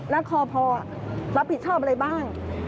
แล้วคอพอรับผิดชอบอะไรบ้าง